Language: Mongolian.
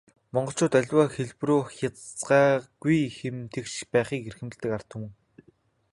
Монголчууд аливаад хэлбэрүү хазгайгүй, хэм тэгш байхыг эрхэмлэдэг ард түмэн.